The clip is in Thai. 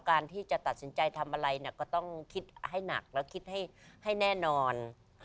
การที่จะตัดสินใจทำอะไรเนี่ยก็ต้องคิดให้หนักแล้วคิดให้แน่นอน